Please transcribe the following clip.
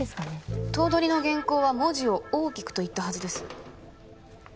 頭取の原稿は文字を大きくと言ったはずです。